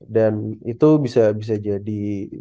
dan itu bisa bisa jadi